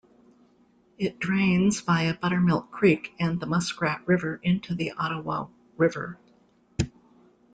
It drains via Buttermilk Creek and the Muskrat River into the Ottawa River.